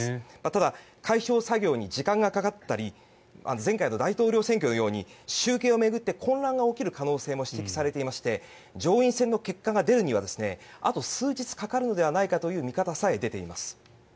ただ、開票作業に時間がかかったり前回の大統領選挙のように集計を巡って混乱が起きる可能性も指摘されていまして上院選の結果が出るにはあと数日かかるのではないかという見方さえ出ています。